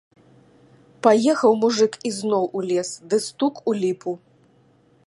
Паехаў мужык ізноў у лес ды стук у ліпу.